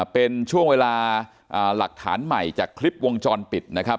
เป็นช่วงเวลาหลักฐานใหม่จากคลิปวงจรปิดนะครับ